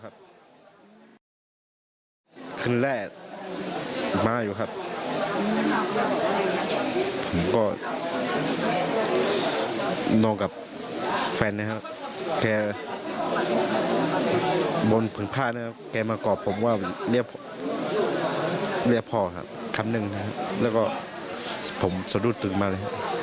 เสียงเรียกเหมือนว่าหลุมลักษณะเดินเข้ามาหาเหมือนกัน